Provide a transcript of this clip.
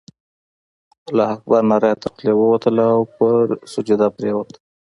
الله اکبر ناره یې تر خولې ووتله او پر سجده پرېوت.